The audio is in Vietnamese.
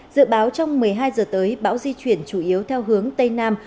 dự báo trong một mươi hai giờ tới bão di chuyển chủ yếu theo hướng tây nam